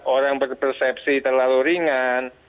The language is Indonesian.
orang berpersepsi terlalu ringan